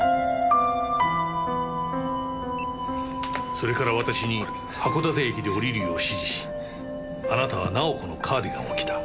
それから私に函館駅で降りるよう指示しあなたは直子のカーディガンを着た。